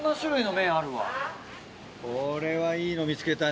これはいいの見つけたね